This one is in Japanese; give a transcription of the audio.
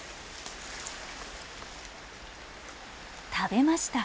食べました。